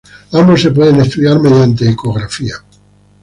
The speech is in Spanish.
Ambos se pueden estudiar mediante ecografía.